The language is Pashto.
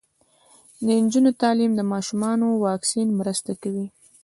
د نجونو تعلیم د ماشومانو واکسین مرسته کوي.